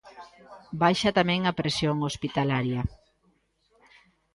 Baixa tamén a presión hospitalaria.